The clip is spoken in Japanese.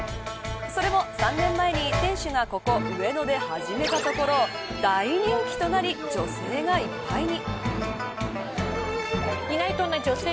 それを、３年前に店主が、ここ上野で始めたところ大人気となり女性がいっぱいに。